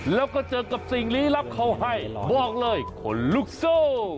แล้วก็เจอกับสิ่งลี้ลับเขาให้บอกเลยคนลุกสู้